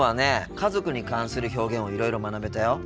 家族に関する表現をいろいろ学べたよ。